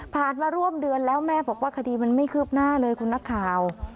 มาร่วมเดือนแล้วแม่บอกว่าคดีมันไม่คืบหน้าเลยคุณนักข่าว